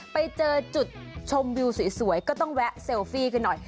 ไปเจอจุดชมวิวสวยก็ต้องแวะเซลฟี่กันหน่อย